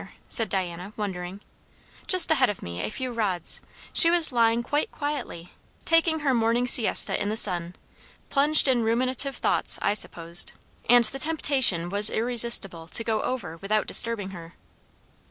said Diana, wondering. "Just ahead of me; a few rods. She was lying quite quietly, taking her morning siesta in the sun; plunged in ruminative thoughts, I supposed, and the temptation was irresistible to go over without disturbing her."